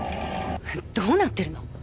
どうなってるの？